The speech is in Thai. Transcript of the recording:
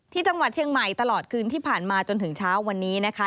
ที่จังหวัดเชียงใหม่ตลอดคืนที่ผ่านมาจนถึงเช้าวันนี้นะคะ